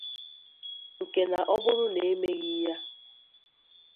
nke na ọ bụrụ na e meghị ya